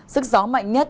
sức gió mạnh nhất